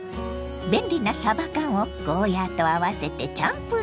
便利なさば缶をゴーヤーと合わせてチャンプルーに。